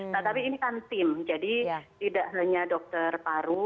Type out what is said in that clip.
nah tapi ini kan tim jadi tidak hanya dokter paru